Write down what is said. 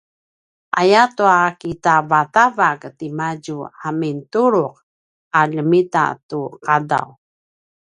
ayatua kitavatavak timadju a mintulu’ a ljemita tu ’adav